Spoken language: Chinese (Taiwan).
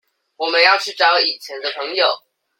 我們要去找以前的朋友